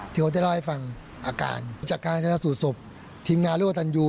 เขาจะเล่าให้ฟังอาการจากการชนะสูตรศพทีมงานร่วมกับตันยู